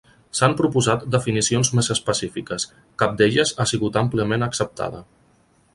S'han proposat definicions més específiques; cap d'elles ha sigut àmpliament acceptada.